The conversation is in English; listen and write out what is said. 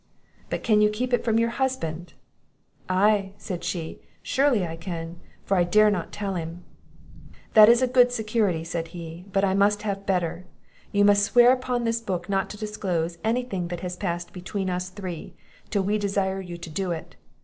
"But can you keep it from your husband?" "Aye," said she, "surely I can; for I dare not tell it him." "That is a good security," said he; "but I must have a better. You must swear upon this book not to disclose any thing that has passed between us three, till we desire you to do it.